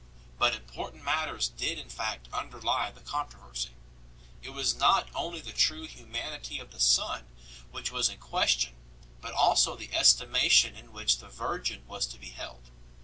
But important matters did in fact underlie the controversy. It was riot only the true Humanity of the Son which was in question but also the estimation in which the Virgin was to be held.